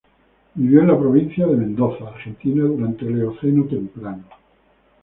Vivió en la provincia de Mendoza, Argentina durante el Eoceno temprano.